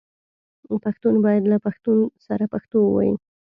پښتون باید له پښتون سره پښتو ووايي